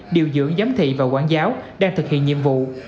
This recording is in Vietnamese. điều dưỡng giám thị và quản giáo đang thực hiện nhiệm vụ